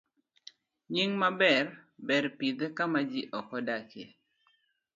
B. Nying maber. Ber pidhe kama ji ok odakie.